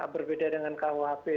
berbeda dengan kuhp